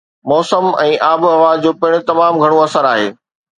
موسم ۽ آبهوا جو پڻ تمام گهڻو اثر آهي